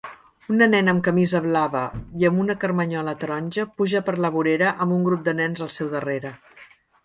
Una nena amb camisa blava i amb una carmanyola taronja puja per la vorera amb un grup de nens al seu darrere